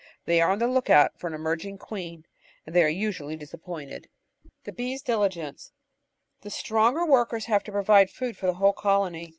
They are on the look out for an emerging queen, and they are usually disappointed. The Bees* Diligence The stronger workers have to provide food for the whole colony.